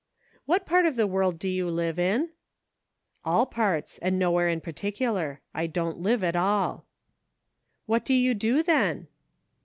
"What part of the world do you live in .'" "All parts, and nowhere in particular; I don't live at all." " What do you do, then